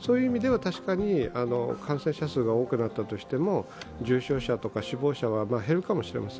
そういう意味では、確かに感染者数が多くなったとしても重症者とか死亡者は減るかもしれません。